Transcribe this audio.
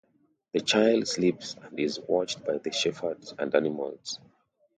The child sleeps and is watched by the shepherds and animals.